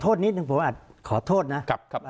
ขอโทษนิดนึงคุณผู้หัวขอโทษนะ